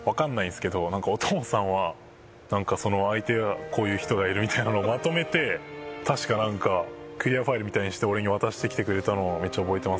お父さんはなんか相手はこういう人がいるみたいなのをまとめて確かなんかクリアファイルみたいにして俺に渡してきてくれたのをめっちゃ覚えていますね。